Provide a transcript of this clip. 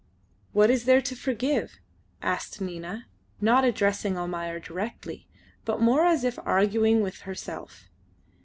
"What is there to forgive?" asked Nina, not addressing Almayer directly, but more as if arguing with herself.